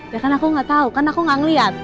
ya kan aku gak tau kan aku gak ngeliat